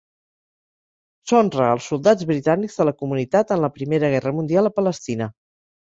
S'honra als soldats britànics de la Comunitat en la Primera Guerra Mundial a Palestina.